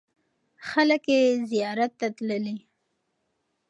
خلک یې زیارت ته تللي.